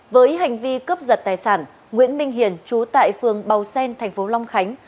với hành vi cướp giật tài sản nguyễn minh hiền chú tại phường bào sen tp long khánh